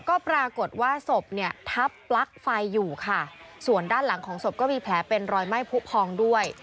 ก็ปรากฏว่าศพเนี่ยทับปลั๊กไฟอยู่ค่ะส่วนด้านหลังของศพก็มีแผลเป็นรอยไหม้ผู้พองด้วย